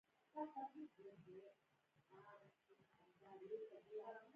بیا به د سیند پر غاړه ګلونه نه کرم.